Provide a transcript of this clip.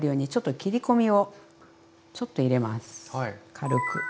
軽く。